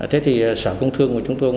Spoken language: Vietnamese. thế thì sở công thương của chúng tôi